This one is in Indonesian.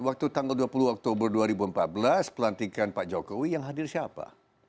waktu tanggal dua puluh oktober dua ribu empat belas pelantikan pak jokowi yang hadir siapa